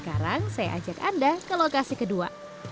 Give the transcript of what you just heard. sekarang saya ajak anda ke lokasi kedua